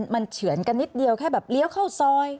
มันเฉือนกันนิดเดียวแค่แบบเลี้ยวเข้าซอย